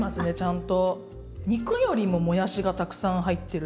肉よりももやしがたくさん入ってるって。